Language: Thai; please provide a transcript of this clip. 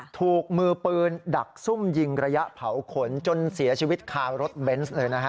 ถูกมือปืนดักซุ่มยิงระยะเผาขนจนเสียชีวิตคารถเบนส์เลยนะฮะ